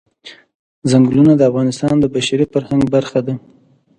چنګلونه د افغانستان د بشري فرهنګ برخه ده.